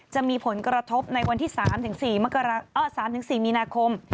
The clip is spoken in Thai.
จะมีผลกระทบในวันที่๓๔มีนาคม